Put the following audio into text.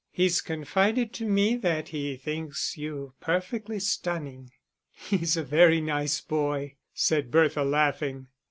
"He's confided to me that he thinks you 'perfectly stunning.'" "He's a very nice boy," said Bertha, laughing.